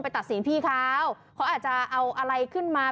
ตัดสินพี่เขาเขาอาจจะเอาอะไรขึ้นมา